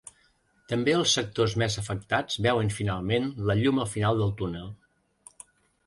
També els sectors més afectats veuen finalment la llum al final del túnel.